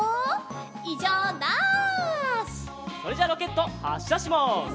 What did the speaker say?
それじゃあロケットはっしゃします。